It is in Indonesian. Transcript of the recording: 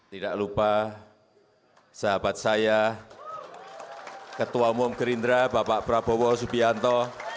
tidak lupa sahabat saya ketua umum gerindra bapak prabowo subianto